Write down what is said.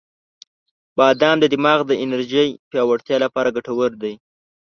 • بادام د دماغ د انرژی پیاوړتیا لپاره ګټور دی.